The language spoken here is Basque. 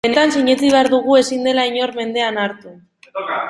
Benetan sinetsi behar dugu ezin dela inor mendean hartu.